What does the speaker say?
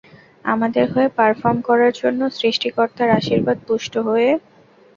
আমাদের হয়ে পারফর্ম করার জন্য, সৃষ্টিকর্তার আশীর্বাদ পুষ্ট হয়ে।